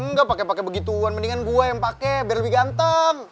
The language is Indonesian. nggak pake pake begituan mendingan gue yang pake biar lebih ganteng